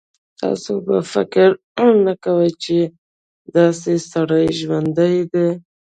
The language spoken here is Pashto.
تاسو به فکر نه کوئ چې داسې سړی ژوندی دی.